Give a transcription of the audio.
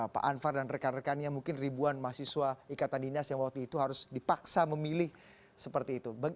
pak anwar dan rekan rekannya mungkin ribuan mahasiswa ikatan dinas yang waktu itu harus dipaksa memilih seperti itu